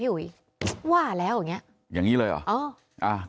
พี่ห๑๖๐ว่าแล้วอย่างเงี้ยอย่างงี้เลยเหรออ๋อ